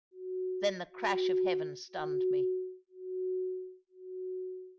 Then the crash of heaven stunned me.